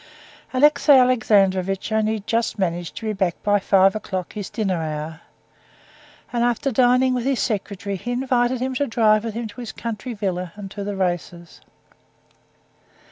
Alexey Alexandrovitch only just managed to be back by five o'clock, his dinner hour, and after dining with his secretary, he invited him to drive with him to his country villa and to the races.